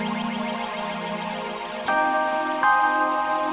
aku mau keluar sama si kapu